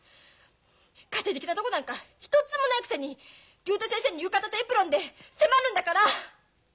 家庭的なとこなんか一つもないくせに竜太先生に浴衣とエプロンで迫るんだから！